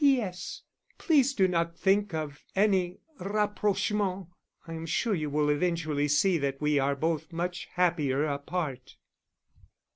_ P.S. Please do not think of any rapprochement. _I am sure you will eventually see that we are both much happier apart.